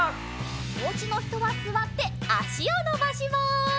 おうちのひとはすわってあしをのばします。